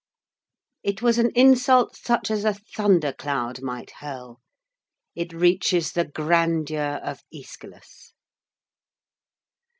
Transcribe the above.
It was an insult such as a thunder cloud might hurl! It reaches the grandeur of Æschylus!